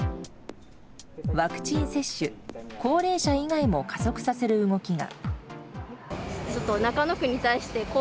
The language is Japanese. ワクチン接種高齢者以外も加速させる動きが。